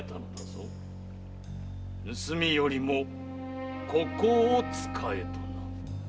盗みよりもここを使えとな。